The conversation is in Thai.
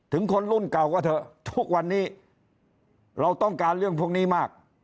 คนรุ่นเก่าก็เถอะทุกวันนี้เราต้องการเรื่องพวกนี้มาก